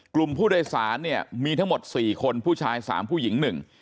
กลุ่มผู้โดยสารเนี่ยมีทั้งหมด๔คนผู้ชาย๓ผู้หญิง๑